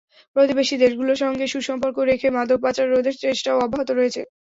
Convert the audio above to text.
প্রতিবেশী দেশগুলোর সঙ্গে সুসম্পর্ক রেখে মাদক পাচার রোধের চেষ্টাও অব্যাহত রয়েছে।